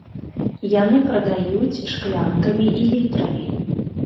Яны прадаюць шклянкамі і літрамі.